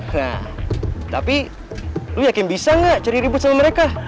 hah tapi lo yakin bisa gak cari ribut sama mereka